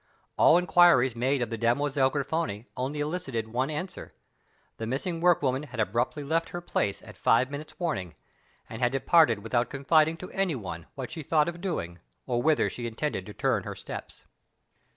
All inquiries made of the Demoiselle Grifoni only elicited one answer: the missing work woman had abruptly left her place at five minutes' warning, and had departed without confiding to any one what she thought of doing, or whither she intended to turn her steps.